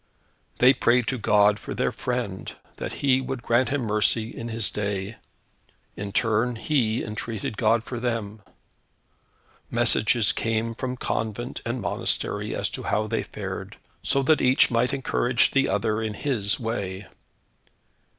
They prayed to God for their friend, that He would grant him mercy in His day. In turn, he entreated God for them. Messages came from convent and monastery as to how they fared, so that each might encourage the other in His way.